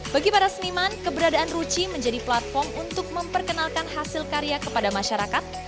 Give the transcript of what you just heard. bagi para seniman keberadaan ruchi menjadi platform untuk memperkenalkan hasil karya kepada masyarakat